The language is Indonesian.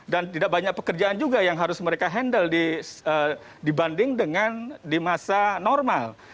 dan tidak banyak pekerjaan juga yang harus mereka handle dibanding dengan di masa normal